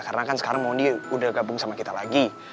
karena kan sekarang mondi udah gabung sama kita lagi